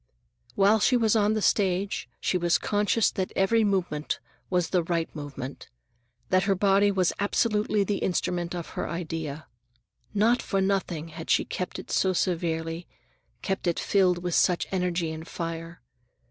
While she was on the stage she was conscious that every movement was the right movement, that her body was absolutely the instrument of her idea. Not for nothing had she kept it so severely, kept it filled with such energy and fire.